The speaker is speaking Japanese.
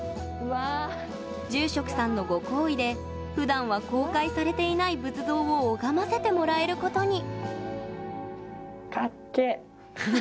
住職さんのご厚意でふだんは公開されていない仏像を拝ませてもらえることに。